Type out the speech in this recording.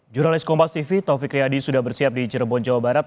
jurnalis kompas tv taufik riyadi sudah bersiap di cirebon jawa barat